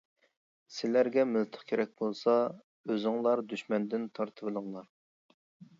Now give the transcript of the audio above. سىلەرگە مىلتىق كېرەك بولسا، ئۆزۈڭلار دۈشمەندىن تارتىۋېلىڭلار.